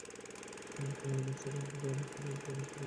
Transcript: বর্তমান মূসক আইনটি অনেক পুরোনো, তাই নতুন আইন বাস্তবায়ন করা হবে।